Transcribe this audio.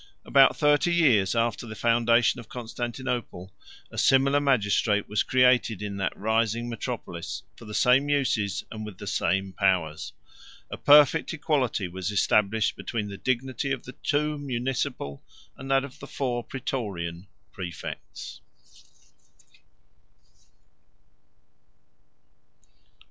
About thirty years after the foundation of Constantinople, a similar magistrate was created in that rising metropolis, for the same uses and with the same powers. A perfect equality was established between the dignity of the two municipal, and that of the four Prætorian præfects.